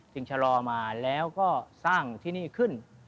ชะลอมาแล้วก็สร้างที่นี่ขึ้น